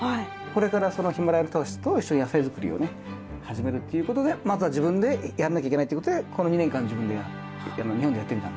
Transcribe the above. これからそのヒマラヤの人たちと一緒に野菜作りをね始めるっていうことでまずは自分でやんなきゃいけないってことでこの２年間自分で日本でやってみたんですよね。